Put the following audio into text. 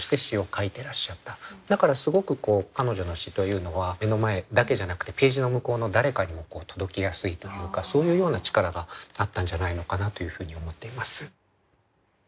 だからすごく彼女の詩というのは目の前だけじゃなくてページの向こうの誰かに届けやすいというかそういうような力があったんじゃないのかなというふうに思っています。